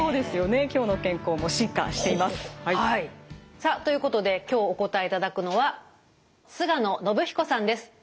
さあということで今日お答えいただくのは菅野伸彦さんです。